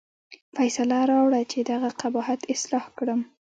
فیصله راوړه چې دغه قباحت اصلاح کړم.